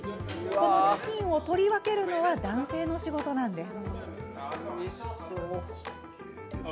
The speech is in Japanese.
このチキンを取り分けるのは男性の仕事なんです。